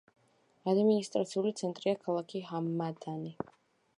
ადმინისტრაციული ცენტრია ქალაქი ჰამადანი.